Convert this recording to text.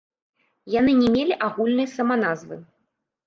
Яны не мелі агульнай саманазвы.